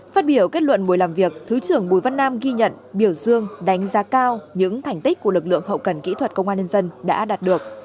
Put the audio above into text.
phát biểu kết luận buổi làm việc thứ trưởng bùi văn nam ghi nhận biểu dương đánh giá cao những thành tích của lực lượng hậu cần kỹ thuật công an nhân dân đã đạt được